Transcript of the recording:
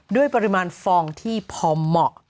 ด้วยปริมาณฟองที่พอเหมาะ